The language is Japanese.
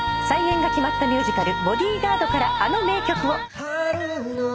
再演が決まったミュージカル『ボディガード』からあの名曲を。